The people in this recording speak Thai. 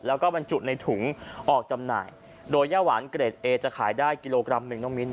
แล้วก็บรรจุในถุงออกจำหน่ายโดยย่าหวานเกรดเอจะขายได้กิโลกรัมหนึ่งน้องมิ้น